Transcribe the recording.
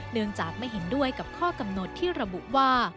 เนื่องจากไม่เห็นด้วยกับข้อกำหนดที่ระบุว่า